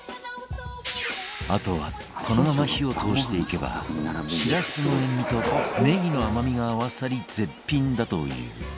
あとはこのまま火を通していけばしらすの塩味とネギの甘みが合わさり絶品だという